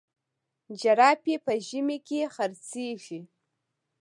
جراپي په ژمي کي خرڅیږي.